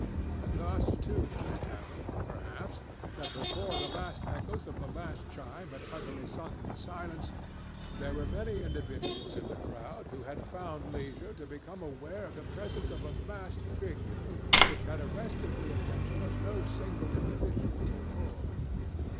And thus, too, it happened, perhaps, that before the last echoes of the last chime had utterly sunk into silence, there were many individuals in the crowd who had found leisure to become aware of the presence of a masked figure which had arrested the attention of no single individual before.